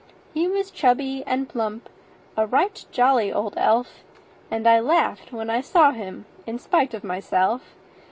He was chubby and plump a right jolly old elf; And I laughed, when I saw him, in spite of myself.